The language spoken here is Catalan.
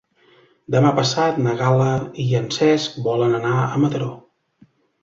Demà passat na Gal·la i en Cesc volen anar a Mataró.